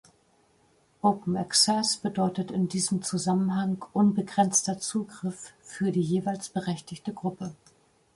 Open Access bedeutet in diesem Zusammenhang "unbegrenzter Zugriff" für die jeweils berechtigte Gruppe.